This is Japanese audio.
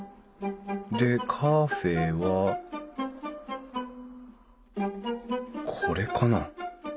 でカフェはこれかな？